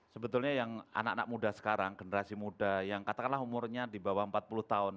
sebetulnya yang anak anak muda sekarang generasi muda yang katakanlah umurnya di bawah empat puluh tahun